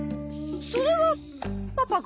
それはパパが。